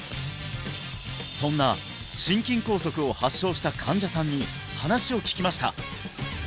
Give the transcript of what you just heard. そんな心筋梗塞を発症した患者さんに話を聞きました